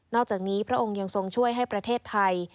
อกจากนี้พระองค์ยังทรงช่วยให้ประเทศไทย